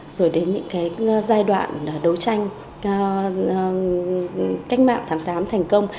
rồi đến những cái giai đoạn đấu tranh cách mạng tháng tám thành công